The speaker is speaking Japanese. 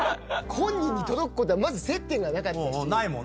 本人に届くことはまず接点がなかったし。